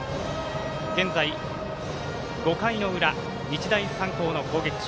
現在、５回の裏日大三高の攻撃中。